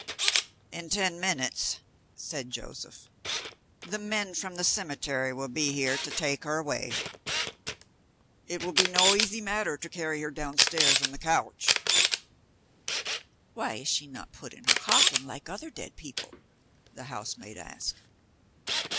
"In ten minutes," said Joseph, "the men from the cemetery will be here to take her away. It will be no easy matter to carry her downstairs on the couch." "Why is she not put in her coffin, like other dead people?" the housemaid asked.